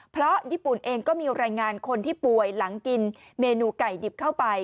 เพราะญี่ปุ่นเองก็มีรายงานคนที่ป่วยหลังกินเมนูไก่ดิบเข้าไป